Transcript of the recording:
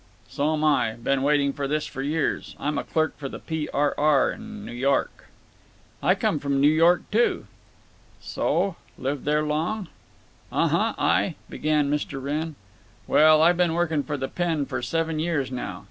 _" "So'm I. Been waiting for this for years. I'm a clerk for the P. R. R. in N' York." "I come from New York, too." "So? Lived there long?" "Uh huh, I—" began Mr. Wrenn. "Well, I been working for the Penn. for seven years now.